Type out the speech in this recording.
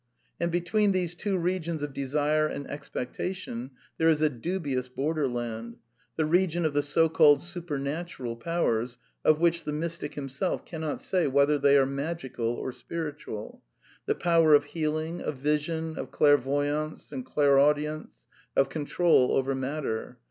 And between these two regions of desire and expectation there is a dubious borderland: the region of the so called s upernatural powers, of which the mystic himself cannot sky wlietlier they are magical or spiritual: the power of healing, of vision, of clairvoyance and clairaudience, of control over matter.